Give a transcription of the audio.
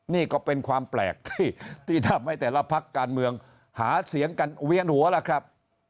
นี่ก็เป็นความแปลกที่ทำให้แต่ละพักการเมืองหาเสียงกันเวียนหัวล่ะครับ